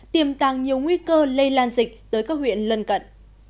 tiềm tàng nhiều nguy cơ lây lan dịch tới các huyện lân cận